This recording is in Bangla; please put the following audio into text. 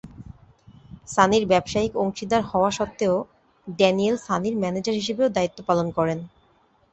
সানির ব্যবসায়িক অংশীদার হওয়া সত্ত্বেও ড্যানিয়েল সানির ম্যানেজার হিসেবেও দায়িত্ব পালন করেন।